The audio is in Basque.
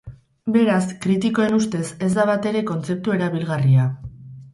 Beraz, kritikoen ustez, ez da batere kontzeptu erabilgarria.